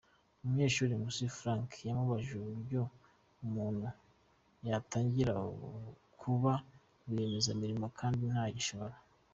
Umunyeshuri Nkusi Frank yamubajije uburyo umuntu yatangira kuba rwiyemezamirimo kandi nta gishoro.